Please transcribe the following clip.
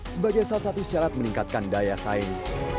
sebagai salah satu syarat meningkatkan daya saing